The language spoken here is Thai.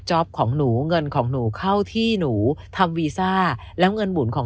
ของหนูเงินของหนูเข้าที่หนูทำวีซ่าแล้วเงินหมุนของ